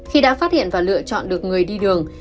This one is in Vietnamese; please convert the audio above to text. khi đã phát hiện và lựa chọn được người đi đường